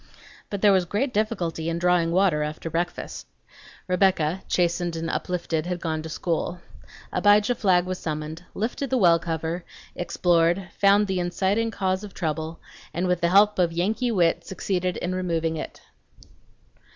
But there was great difficulty in drawing water after breakfast. Rebecca, chastened and uplifted, had gone to school. Abijah Flagg was summoned, lifted the well cover, explored, found the inciting cause of trouble, and with the help of Yankee wit succeeded in removing it.